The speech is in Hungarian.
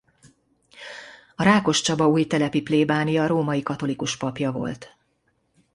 A Rákoscsaba-Újtelepi plébánia római katolikus papja volt.